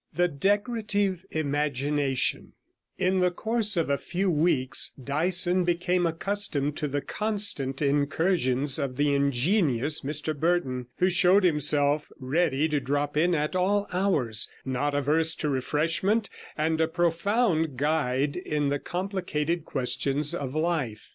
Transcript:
THE DECORATIVE IMAGINATION In the course of a few weeks Dyson became accustomed to the constant incursions of the ingenious Mr Burton, who showed himself ready to drop in at all hours, not averse to refreshment, and a profound guide in the complicated questions of life.